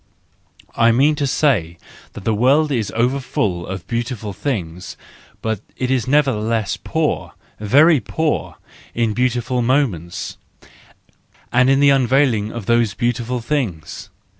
I mean to say that the world is overfull of beautiful things, but it is nevertheless poor, very poor, in beautiful moments, and in the unveiling of those beautiful things.